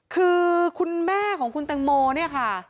คือคุณแม่ของคุณแตงโมเนี่ยค่ะ